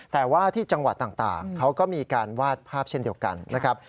แต่ว่าที่จังหวัดต่างเขาก็มีการวาดภาพเช่นเดียวกันนะครับ